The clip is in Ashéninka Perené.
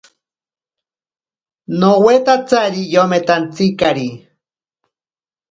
Nowetsatari yometantsikari.